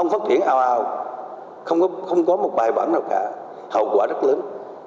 ông phát triển ao ao không có một bài bản nào cả hậu quả rất lớn